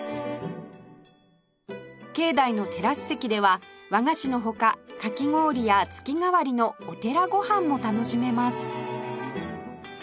境内のテラス席では和菓子の他かき氷や月替わりのお寺ごはんも楽しめます